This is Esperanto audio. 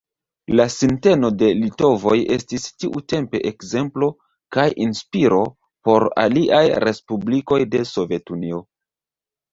La sinteno de litovoj estis tiutempe ekzemplo kaj inspiro por aliaj respublikoj de Sovetunio.